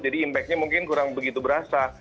jadi impactnya mungkin kurang begitu berasa